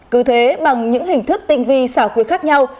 cứ thế bằng những hình thức tinh vi xảo quyệt khác nhau